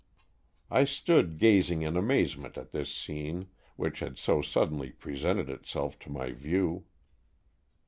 I stood gazing in amazement at this scene which had so suddenly presented itself to my view.